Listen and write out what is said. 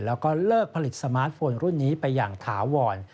แล้วก็เลิกผลิตสมาร์ทโฟนรุ่นนี้ไปอย่างถาวร